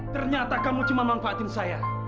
ternyata kamu cuma manfaatin saya